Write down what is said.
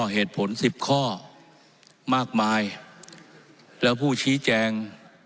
เหตุผล๑๐ข้อมากมายและผู้ชี้แจง